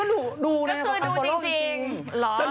ก็คือดูจริง